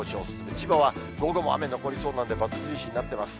千葉は午後も雨残りそうなんで、バツ印になってます。